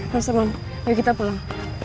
tuh samam yuk kita pulang